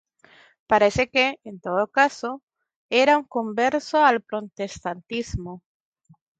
Parece que, en todo caso, era un converso al protestantismo.